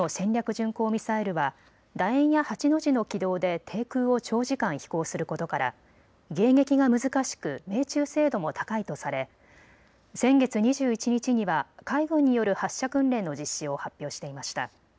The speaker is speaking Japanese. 巡航ミサイルはだ円や８の字の軌道で低空を長時間、飛行することから迎撃が難しく命中精度も高いとされ先月２１日には海軍による発射訓練の実施を発表していました。